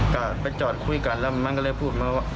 ก็ไปจอดคุยกันแล้วมันก็เลยพูดมาว่า